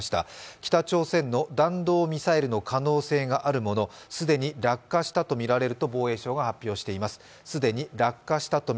北朝鮮の弾道ミサイルの可能性があるもの、既に落下したとみられると防衛省が発表しています。